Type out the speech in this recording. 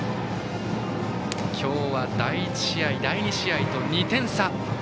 今日は第１試合、第２試合と２点差。